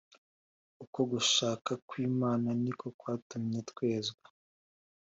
Uko Gushaka Kw Imana Ni Ko Kwatumye Twezwa